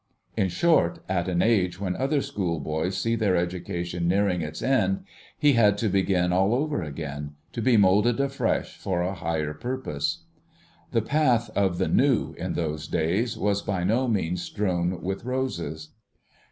In short, at an age when other schoolboys see their education nearing its end, he had to begin all over again, to be moulded afresh for a higher purpose. The path of the "New" in those days was by no means strewn with roses.